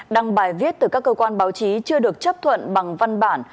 đăng bài viết từ các cơ quan báo chí chưa được chấp thuận bằng văn bản